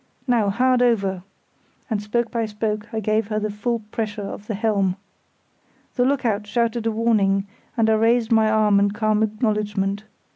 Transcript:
Now, hard over! and spoke by spoke I gave her the full pressure of the helm. The look out shouted a warning, and I raised my arm in calm acknowledgement.